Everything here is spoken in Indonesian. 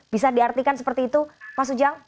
bisa diartikan seperti itu mas ujang